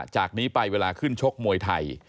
จากนี้ไปเวลาขึ้นชกมวยไทย